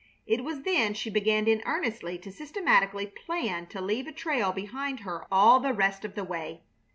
It was then she began in earnest to systematically plan to leave a trail behind her all the rest of the way.